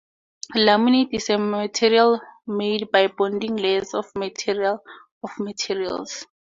Laminate is a material made by bonding layers of material or materials.